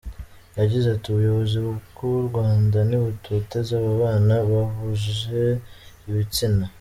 Yagize ati “Ubuyobozi bw’u Rwanda ntibutoteza ababana bahuje ibitsina.